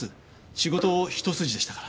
仕事一筋でしたから。